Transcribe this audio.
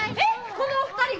このお二人が。